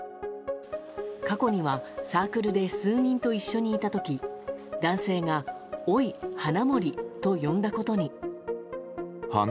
過去にはサークルで数人と一緒にいた時男性が「おい、花森」と呼んだことに。